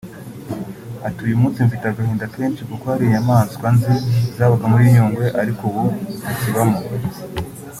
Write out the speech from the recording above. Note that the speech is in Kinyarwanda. Ati “ Uyu munsi mfite agahinda kenshi kuko hari inyamaswa nzi zabaga muri Nyungwe ariko ubu zitakibamo